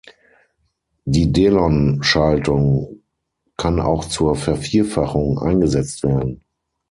Die Delon-Schaltung kann auch zur Vervierfachung eingesetzt werden.